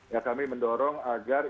yang kami mendorong agar